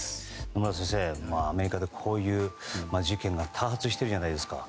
野村先生、アメリカでこういう事件が多発しているじゃないですか。